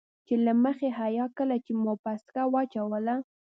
چې له مخې حيا کله چې مو پسکه واچوله.